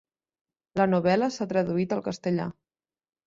La novel·la s'ha traduït al castellà.